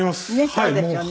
そうですよね。